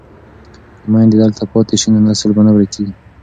که میندې دلته پاتې شي نو نسل به نه ورکيږي.